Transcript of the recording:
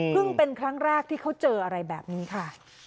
เป็นครั้งแรกที่เขาเจออะไรแบบนี้ค่ะ